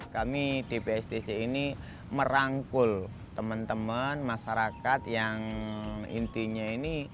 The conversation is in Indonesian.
kami di bstc ini merangkul teman teman masyarakat yang intinya ini